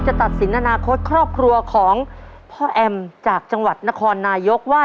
ตัดสินอนาคตครอบครัวของพ่อแอมจากจังหวัดนครนายกว่า